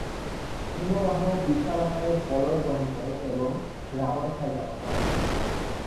হিমবাহ বিশাল আকারের পলল বহন করে এবং গ্রাবরেখায় জমা করে।